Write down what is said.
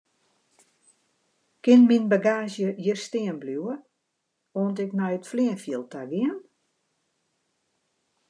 Kin myn bagaazje hjir stean bliuwe oant ik nei it fleanfjild ta gean?